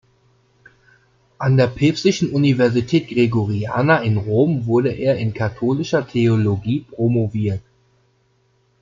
An der Päpstlichen Universität Gregoriana in Rom wurde er in Katholischer Theologie promoviert.